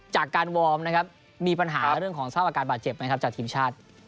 จากการวอร์มมีปัญหาในเรื่องของเศร้าอาการบาดเจ็บไหมครับจากทีมชาติ